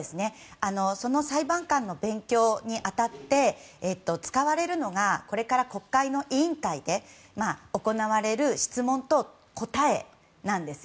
その裁判官の勉強に当たって使われるのがこれから国会の委員会で行われる質問と答えなんです。